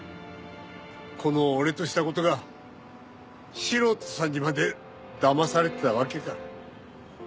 この俺とした事が素人さんにまでだまされてたわけか。